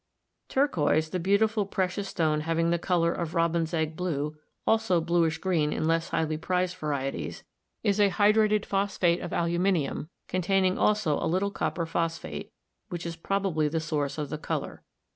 Turquoise, the beautiful precious stone having the color of robin's egg blue, also bluish green in less highly prized varieties, is a hydrated phospahte of aluminium, containing also a little copper phosphate, which is probably the source of the color.